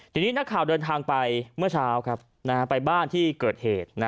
ทีนี้นักข่าวเดินทางไปเมื่อเช้าไปบ้านที่เกิดเหตุ